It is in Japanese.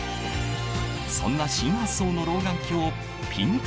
そんな新発想の老眼鏡ピント